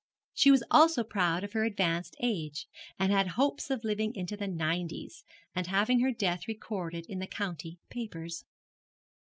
She was also proud of her advanced age, and had hopes of living into the nineties, and having her death recorded in the county papers.